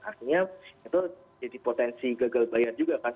artinya itu jadi potensi gagal bayar juga kan